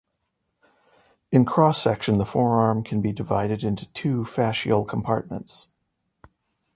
In cross-section the forearm can be divided into two fascial compartments.